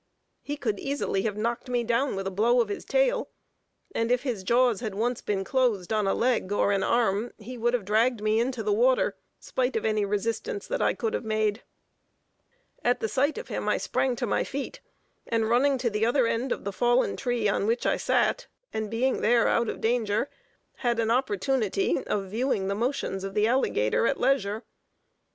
He could easily have knocked me down with a blow of his tail; and if his jaws had once been closed on a leg or an arm, he would have dragged me into the water, spite of any resistance that I could have made. At the sight of him, I sprang to my feet, and running to the other end of the fallen tree on which I sat, and being there out of danger, had an opportunity of viewing the motions of the alligator at leisure.